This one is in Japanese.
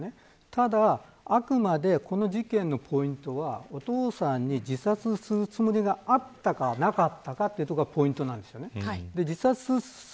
ただ、あくまでこの事件のポイントはお父さんに自殺するつもりがあったかなかったかというところがポイントなんです。